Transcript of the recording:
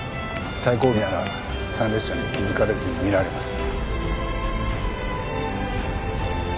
最後尾なら参列者に気づかれずに見られます。